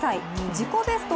自己ベスト